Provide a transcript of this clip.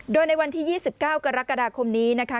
โดยในวันที่๒๙กรกฎาคมนี้นะคะ